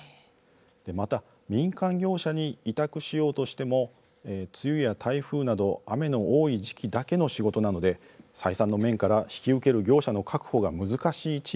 また、民間業者に委託しようとしても梅雨や台風など雨の多い時期だけの仕事なので採算の面から引き受ける業者の確保が難しい地域もあるそうです。